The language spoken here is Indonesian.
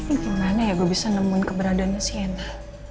ini gimana ya gue bisa nemuin keberadaannya sienna